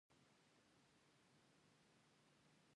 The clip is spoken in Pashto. هغه په اوسنیو مفکرانو کې د خورا لوی نوم خاوند دی.